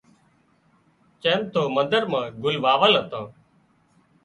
چم تو مندر مان گُل واول هتان